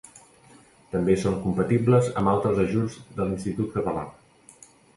També són compatibles amb altres ajuts de l'Institut Català.